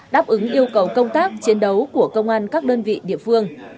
đáp ứng yêu cầu công tác chiến đấu của công an các đơn vị địa phương